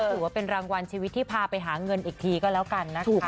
ถือว่าเป็นรางวัลชีวิตที่พาไปหาเงินอีกทีก็แล้วกันนะคะ